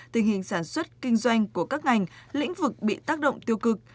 tình hình sản xuất kinh doanh của các ngành lĩnh vực bị tác động tiêu cực